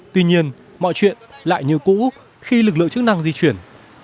tuy nhiên mọi chuyện lại như cũ khi lực lượng chức năng di chuyển